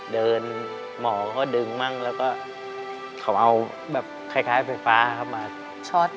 หมอก็ดึงมั่งแล้วก็เขาเอาแบบคล้ายไฟฟ้าครับมาช็อต